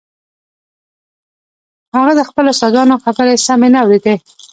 هغه د خپلو استادانو خبرې سمې نه اورېدې.